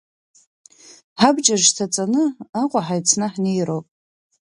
Ҳабџьар шьҭаҵаны Аҟәа ҳаицны ҳнеироуп.